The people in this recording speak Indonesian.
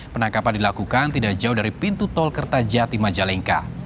penangkapan dilakukan tidak jauh dari pintu tol kertajati majalengka